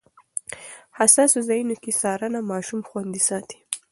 حساسو ځایونو کې څارنه ماشوم خوندي ساتي.